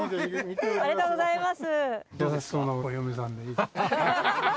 ありがとうございます。